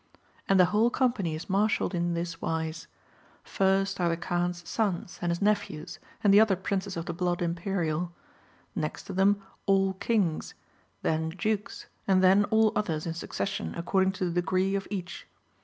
And the whole company is marshalled in this wise. First are the Kaan's sons, and his nephews, and the other Princes of the Blood Imperial ; next to them all Kings ; then Dukes, and then all others in succession according to the deo ree of each.